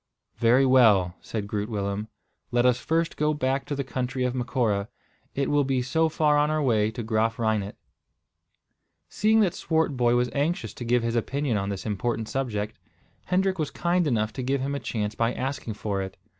"Very well," said Groot Willem. "Let us first go back to the country of Macora. It will be so far on our way to Graaf Reinet." Seeing that Swartboy was anxious to give his opinion on this important subject, Hendrik was kind enough to give him a chance by asking for it.